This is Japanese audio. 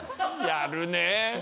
やるね！